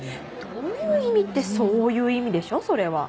どういう意味ってそういう意味でしょそれは。